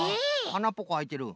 あなっぽこあいてる。